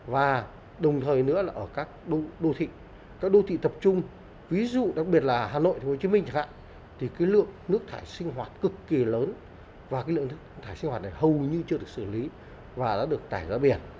và đồng thời nữa là ở các đô thị các đô thị tập trung ví dụ đặc biệt là hà nội hồ chí minh chẳng hạn thì cái lượng nước thải sinh hoạt cực kỳ lớn và cái lượng nước thải sinh hoạt này hầu như chưa được xử lý và đã được tải ra biển